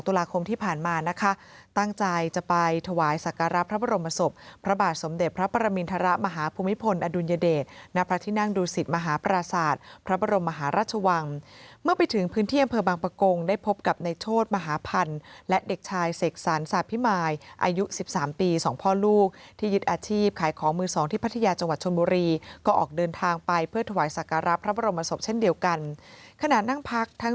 ตุลาคมที่ผ่านมานะคะตั้งใจจะไปถวายสักการะพระบรมศพพระบาทสมเด็จพระปรมินทรมาฮภูมิพลอดุลยเดชนาประทินั่งดูสิทธิ์มหาปราศาสตร์พระบรมมหารัชวังเมื่อไปถึงพื้นเที่ยงเผลอบางประกงได้พบกับในโทษมหาพันธุ์และเด็กชายเสกสรรสาภิมายอายุ๑๓ปีสองพ่อลูกที่ยึดอาชีพขายของมือสองที่พ